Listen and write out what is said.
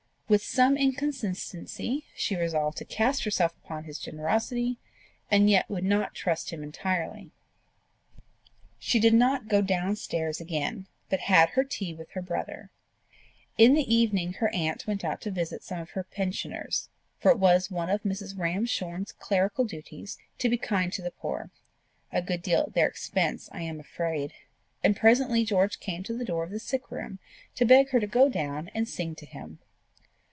With some inconsistency, she resolved to cast herself on his generosity, and yet would not trust him entirely. She did not go downstairs again, but had her tea with her brother. In the evening her aunt went out to visit some of her pensioners, for it was one of Mrs. Ramshorn's clerical duties to be kind to the poor a good deal at their expense, I am afraid and presently George came to the door of the sick room to beg her to go down and sing to him.